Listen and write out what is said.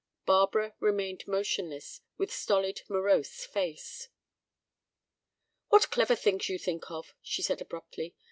Barbara remained motionless, with stolid, morose face. "What clever things you think of!" she said, abruptly.